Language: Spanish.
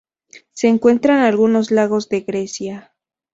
Se encuentra en algunos lagos de Grecia.